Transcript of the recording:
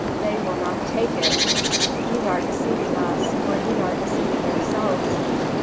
"They will not take it! Ye are deceiving us, or ye are deceiving yourselves.